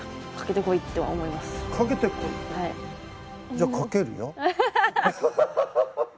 じゃあかけるよ。